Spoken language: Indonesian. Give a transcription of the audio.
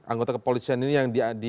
anggota kepolisian ini yang di